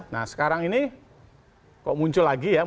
nah sekarang ini kok muncul lagi ya